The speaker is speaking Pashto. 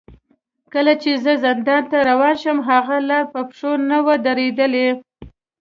کله چې زه زندان ته روان شوم، هغه لا په پښو نه و درېدلی.